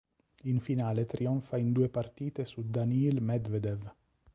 In finale trionfa in due partite su Daniil Medvedev.